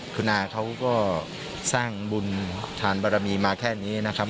คุณอาเขาก็สร้างบุญฐานบรมีมาแค่นี้นะครับ